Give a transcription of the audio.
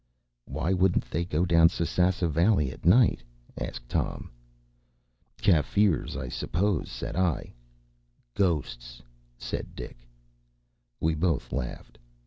” “Why wouldn’t they go down Sasassa Valley at night?” asked Tom. “Kaffirs, I suppose,” said I. “Ghosts,” said Dick. We both laughed.